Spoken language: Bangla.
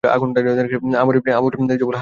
আমর ইবনে জামূহ বললেন, হায় বল কী?